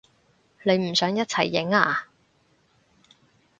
你唔想一齊影啊？